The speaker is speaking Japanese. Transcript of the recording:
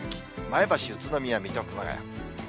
前橋、宇都宮、水戸、熊谷。